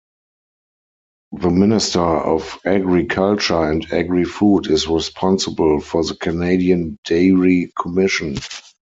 The Minister of Agriculture and Agri-food is responsible for the Canadian Dairy Commission.